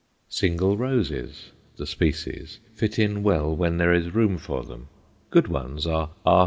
Single roses, the species, fit in well where there is room for them. Good ones are _R.